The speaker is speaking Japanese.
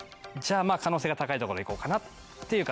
あ可能性が高いところいこうかなっていう感じです。